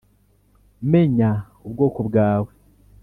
menya ubwoko bwawe?"